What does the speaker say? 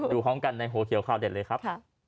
ดูข้องกันในโหวเกียวข้าวเด็ดเลยครับ